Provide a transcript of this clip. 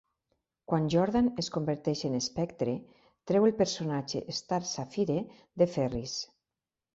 Quan Jordan es converteix en Spectre, treu el personatge Star Sapphire de Ferris.